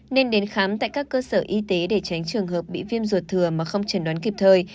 nên đến khám tại các cơ sở y tế để tránh trường hợp bị viêm ruột thừa mà không trần đoán kịp thời